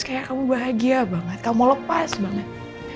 kayak kamu bahagia banget kamu lepas banget